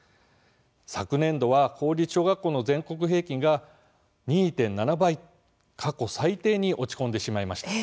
昨年度は公立小学校の全国平均が２．７倍、過去最低に落ち込んでしまいました。